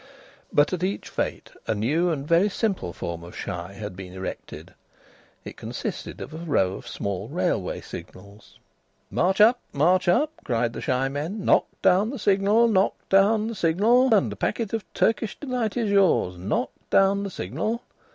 But at each fête a new and very simple form of "shy" had been erected. It consisted of a row of small railway signals. "March up! March up!" cried the shy men. "Knock down the signal! Knock down the signal! And a packet of Turkish delight is yours. Knock down the signal!"